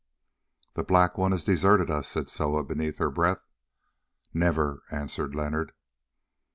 "The Black One has deserted us," said Soa beneath her breath. "Never!" answered Leonard.